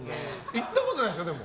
行ったことないでしょ